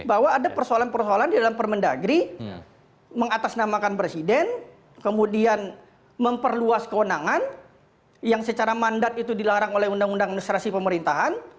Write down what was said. bahwa ada persoalan persoalan di dalam permendagri mengatasnamakan presiden kemudian memperluas kewenangan yang secara mandat itu dilarang oleh undang undang administrasi pemerintahan